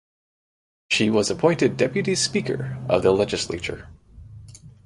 She was appointed deputy speaker of the legislature.